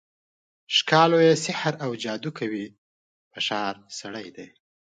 ښکالو یې سحراوجادوکوي په ښار، سړی دی